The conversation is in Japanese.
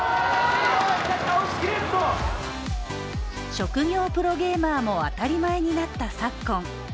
職業プロゲーマーも当たり前になった昨今。